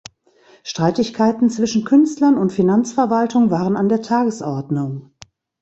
Streitigkeiten zwischen Künstlern und Finanzverwaltung waren an der Tagesordnung.